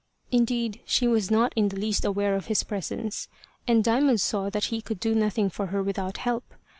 Indeed, she was not in the least aware of his presence, and Diamond saw that he could do nothing for her without help.